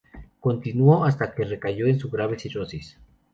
Continuó hasta que recayó en su grave cirrosis.